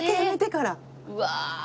うわ！